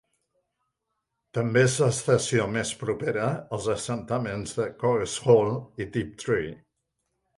També és l'estació més propera als assentaments de Coggeshall i Tiptree.